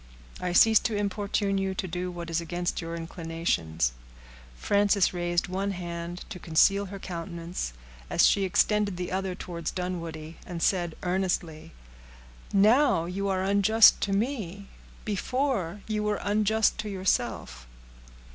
"I cease to importune you to do what is against your inclinations." Frances raised one hand to conceal her countenance, as she extended the other towards Dunwoodie, and said earnestly,— "Now you are unjust to me—before, you were unjust to yourself."